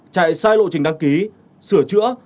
chạy sai lộ trình đăng ký sửa chữa